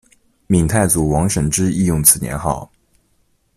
闽太祖王审知亦用此年号。